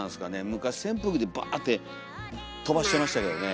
昔扇風機でバーッてとばしてましたけどね。